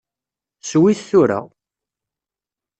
Sew-it tura!